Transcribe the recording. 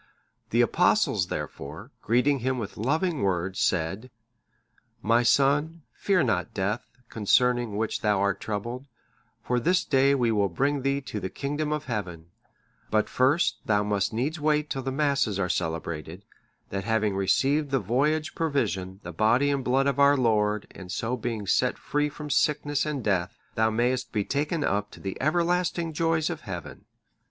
The Apostles therefore, greeting him with loving words, said, "My son, fear not death, concerning which thou art troubled; for this day we will bring thee to the kingdom of Heaven; but first thou must needs wait till the Masses are celebrated, that having received thy voyage provision,(628) the Body and Blood of our Lord, and so being set free from sickness and death, thou mayest be taken up to the everlasting joys in Heaven.